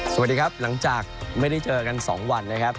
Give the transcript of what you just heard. สวัสดีครับหลังจากไม่ได้เจอกัน๒วันนะครับ